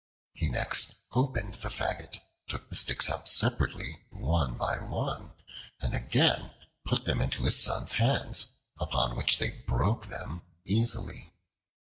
He next opened the faggot, took the sticks separately, one by one, and again put them into his sons' hands, upon which they broke them easily.